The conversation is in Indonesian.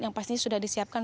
yang pasti sudah disiapkan